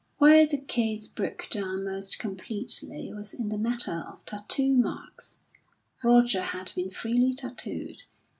Where the case broke down most completely was in the matter of tattoo marks. Roger had been freely tattooed.